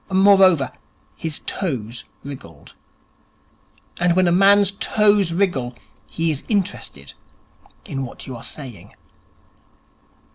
Moreover, his toes wriggled. And when a man's toes wriggle, he is interested in what you are saying.